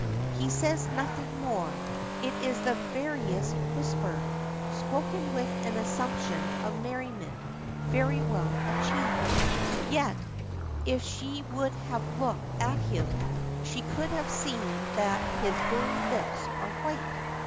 He says nothing more. It is the veriest whisper, spoken with an assumption of merriment very well achieved. Yet, if she would have looked at him, she could have seen that his very lips are white.